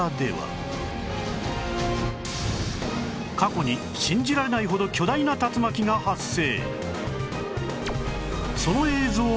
過去に信じられないほど巨大な竜巻が発生